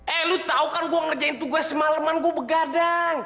eh lu tahu kan gue ngerjain tugas semalaman gue begadang